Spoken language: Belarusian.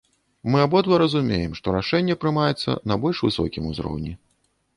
Мы абодва разумеем, што рашэнне прымаецца на больш высокім узроўні.